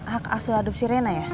hak asuh adupsi rena ya